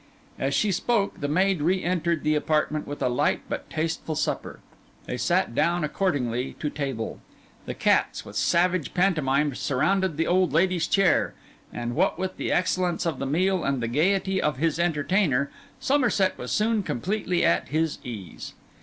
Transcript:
As she spoke, the maid re entered the apartment with a light but tasteful supper. They sat down, accordingly, to table, the cats with savage pantomime surrounding the old lady's chair; and what with the excellence of the meal and the gaiety of his entertainer, Somerset was soon completely at his ease.